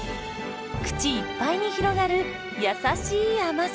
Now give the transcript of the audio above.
口いっぱいに広がる優しい甘さ。